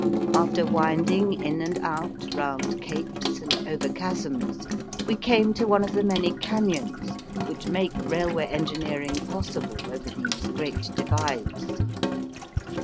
After winding in and out, round capes and over chasms, we came to one of the many canons which make railway engineering pos sible over these great divides.